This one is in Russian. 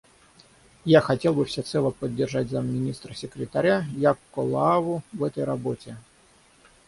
Я хотел бы всецело поддержать замминистра секретаря Яакко Лааяву в этой работе.